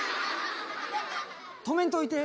止めんといて。